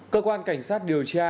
cơ quan cảnh sát điều tra